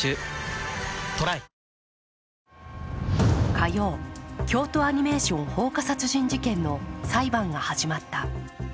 火曜、京都アニメーション放火殺人事件の裁判が始まった。